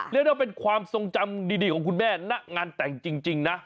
เรียกได้เป็นความทรงจำดีของคุณแม่ณงานแต่งจริงนะ